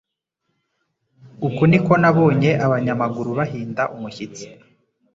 Uku niko nabonye abanyamaguru bahinda umushyitsi